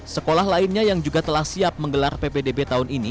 sekolah lainnya yang juga telah siap menggelar ppdb tahun ini